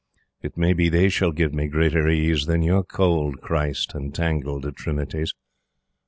It may be they shall give me greater ease Than your cold Christ and tangled Trinities.